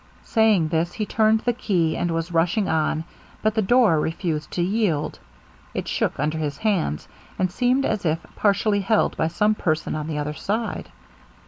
Saying this he turned the key, and was rushing on, but the door refused to yield; it shook under his hands, and seemed as if partially held by some person on the other side.